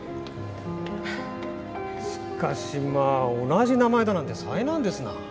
しかしまあ同じ名前だなんて災難ですな。